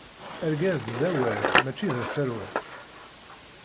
Argaz d awal mačči d aserwal.